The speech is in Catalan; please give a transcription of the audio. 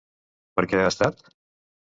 Per què ha estat?